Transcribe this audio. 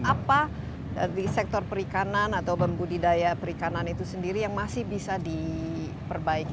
apa dari sektor perikanan atau pembudidaya perikanan itu sendiri yang masih bisa diperbaiki